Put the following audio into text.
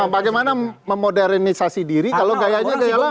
bagaimana memodernisasi diri kalau gayanya gaya lain